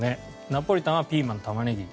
ナポリタンはピーマン玉ねぎ。